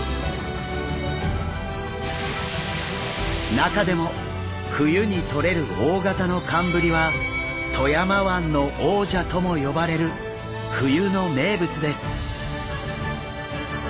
中でも冬にとれる大型の寒ぶりは富山湾の王者とも呼ばれる冬の名物です。